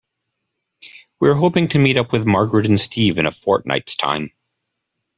We are hoping to meet up with Margaret and Steve in a fortnight's time.